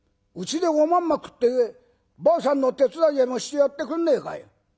うちでおまんま食ってばあさんの手伝いでもしてやってくんねえかい？